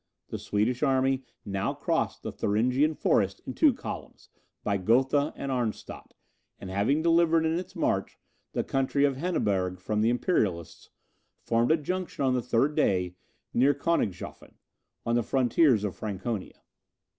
The Swedish army now crossed the Thuringian forest in two columns, by Gotha and Arnstadt, and having delivered, in its march, the county of Henneberg from the Imperialists, formed a junction on the third day near Koenigshofen, on the frontiers of Franconia.